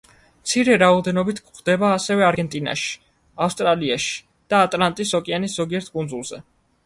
მცირე რაოდენობით გვხვდება ასევე არგენტინაში, ავსტრალიაში და ატლანტის ოკეანის ზოგიერთ კუნძულზე.